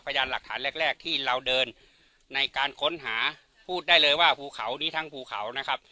พยานหลักฐานแรกแรกที่เราเดินในการค้นหาพูดได้เลยว่าภูเขานี้ทั้งภูเขานะครับ